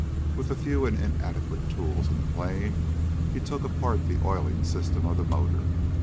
With the few and inadequate tools in the plane he took apart the oiling system of the motor.